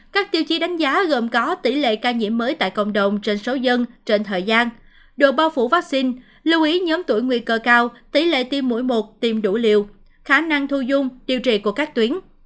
các tiêu chí đánh giá gồm có tỷ lệ ca nhiễm mới tại cộng đồng trên số dân trên thời gian độ bao phủ vaccine lưu ý nhóm tuổi nguy cơ cao tỷ lệ tiêm mũi một tiêm đủ liều khả năng thu dung điều trị của các tuyến